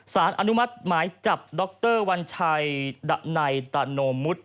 สารอนุมัติหมายจับด็อกเตอร์วันชัยดะไนตะโนมุท